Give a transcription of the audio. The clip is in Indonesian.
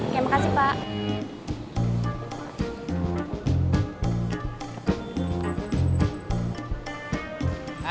terima kasih pak